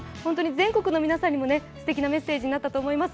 全国の皆さんにもすてきなメッセージになったと思います。